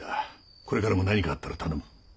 これからも何かあったら頼む。